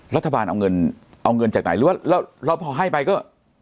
รัฐบาลเอาเงินจากไหนหรือว่าเราพอให้ไปก็